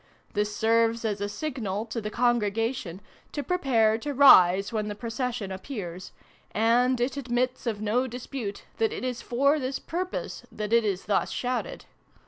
This serves as a signal, to the Congregation, to prepare to rise when the procession appears : and it admits of no dispute that it is for this purpose that it is thus shouted.